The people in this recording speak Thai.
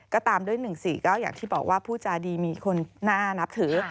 ก็ตามด้วย๑๔ก็อย่างที่บอกว่าผู้จาดีมีคนน่านับถือ